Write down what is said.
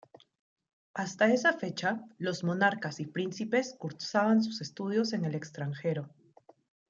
Hasta esa fecha, los monarcas y príncipes cursaban sus estudios en el extranjero.